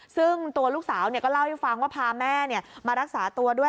ซึ่งตัวลูกสาวก็เล่าให้ฟังว่าพาแม่มารักษาตัวด้วย